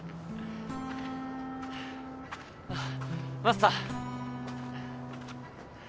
あマスター。